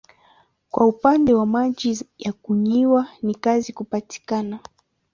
Kwa upande wa maji ya kunywa ni kazi kupatikana.